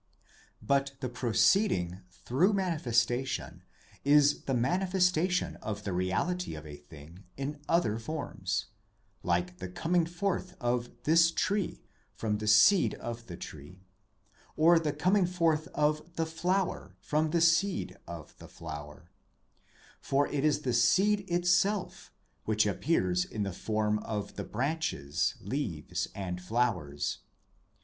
But the proceeding through manifestation is the manifestation of the reality of a thing in other forms : like the coming forth l of this tree from the seed of the tree, or the coming forth of the flower from the seed of the flower : for it is the seed itself which appears in the form of the branches, leaves, and flowers.